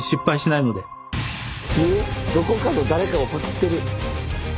どこかの誰かをパクってる！